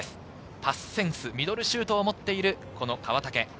パスセンス、ミドルシュートを持っている川竹。